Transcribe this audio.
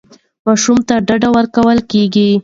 ماشوم ته ډاډ ورکول کېږي.